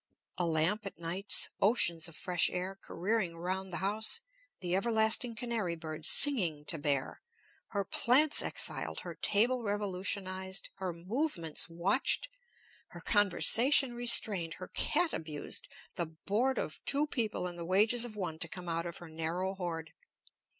A lamp at nights, oceans of fresh air careering round the house, the everlasting canary bird's singing to bear, her plants exiled, her table revolutionized, her movements watched, her conversation restrained, her cat abused, the board of two people and the wages of one to come out of her narrow hoard.